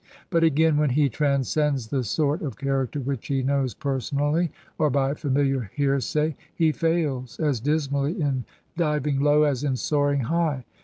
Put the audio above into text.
But again when he transcends the sort of character which he knows personally or by familiar hearsay, he fails as dismally in diving low as in soaring high.